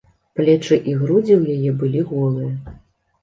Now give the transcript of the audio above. Плечы і грудзі ў яе былі голыя.